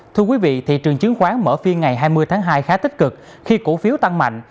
thưa quý vị thị trường chứng khoán mở phiên ngày hai mươi tháng hai khá tích cực khi cổ phiếu tăng mạnh